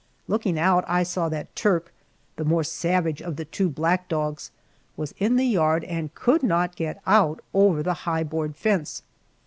Looking out I saw that Turk, the more savage of the two black dogs, was in the yard and could not get out over the high board fence.